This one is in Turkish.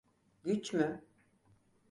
Güç mü?